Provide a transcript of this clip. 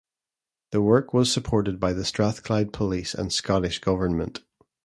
The work was supported by the Strathclyde Police and Scottish government.